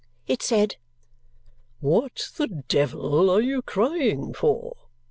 It said, "What the de vil are you crying for?"